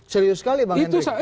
serius sekali bang hendrik